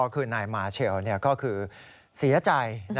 คือนายมาเชลก็คือเสียใจ